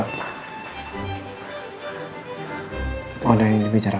mudah mudahan besok sudah bisa diajak bicara